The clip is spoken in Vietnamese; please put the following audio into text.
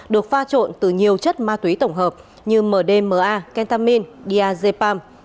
được pha trộn từ nhiều chất ma túy tổng hợp như mdma ketamine diazepam